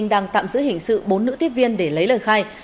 đang tạm giữ hình sự bốn nữ tiếp viên để lấy lời khai